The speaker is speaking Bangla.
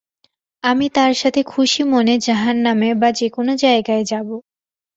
আমি তার সাথে খুশি মনে জাহান্নামে বা যে কোন জায়গায় যাবো!